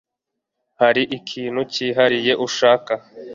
Hari ikintu cyihariye ushaka?